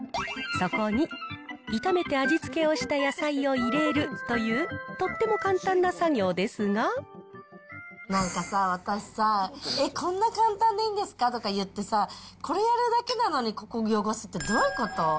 そこに炒めて味付けをした野菜を入れるというとっても簡単な作業なんかさ、私さ、えっ、こんな簡単でいいんですか？とか言ってさ、これやるだけなのに、ここを汚すって、どういうこと？